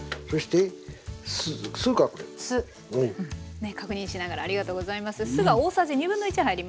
ねえ確認しながらありがとうございます。